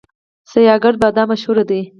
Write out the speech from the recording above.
سیاه ګرد بادام مشهور دي؟